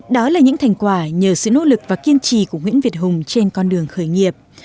đó là những thành quả nhờ sự nỗ lực và kiên trì của nguyễn việt hùng trên con đường khởi nghiệp